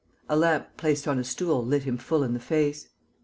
A lamp placed on a stool lit him full in the face.